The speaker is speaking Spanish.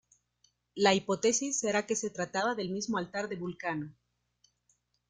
La hipótesis era que se trataba del mismo altar de Vulcano.